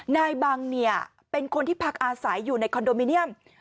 นายบังเนี่ยเป็นคนที่พักอาศัยอยู่ในคอนโดมิเนียม